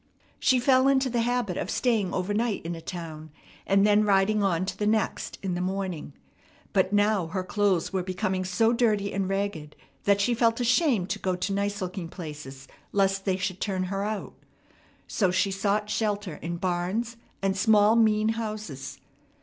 She fell into the habit of staying overnight in a town, and then riding on to the next in the morning; but now her clothes were becoming so dirty and ragged that she felt ashamed to go to nice looking places lest they should turn her out; so she sought shelter in barns and small, mean houses.